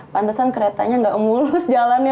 pantesan keretanya nggak mulus jalannya